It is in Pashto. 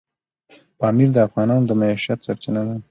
پامیر د افغانانو د معیشت سرچینه ده.